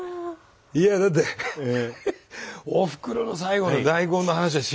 いやだっておふくろの最後の大根の話は知らなかったですね。